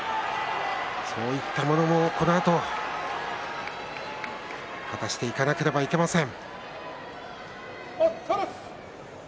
そういったこともこのあと果たしていかなければいけません。